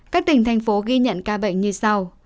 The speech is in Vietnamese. các tỉnh thành phố ghi nhận ca bệnh như sau